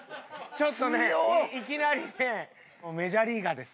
ちょっとねいきなりねメジャーリーガーです。